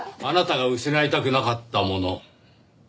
あなたが失いたくなかったもの。